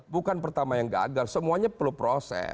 bukan pertama yang gagal semuanya perlu proses